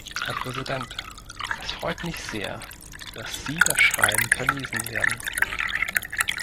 Herr Präsident! Es freut mich sehr, dass Sie das Schreiben verlesen werden.